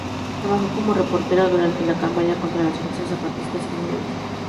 Trabajó como reportero durante la campaña contra las fuerzas zapatistas en Morelos.